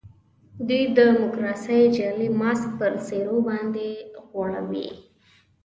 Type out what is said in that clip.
دوی د ډیموکراسۍ جعلي ماسک پر څېرو باندي غوړوي.